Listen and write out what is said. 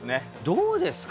どうですか？